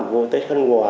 thì ra tới thanh hòa